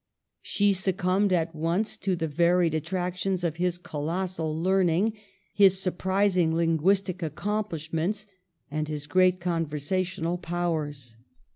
She succumbed at once to the varied attractions of his colossal learning, his surprising linguistic accomplishments, and his great conver sational powers.